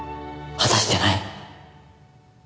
果たしてない。